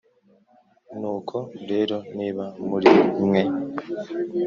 Nuko rero niba muri mwe